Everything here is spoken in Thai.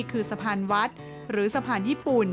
คือสะพานวัดหรือสะพานญี่ปุ่น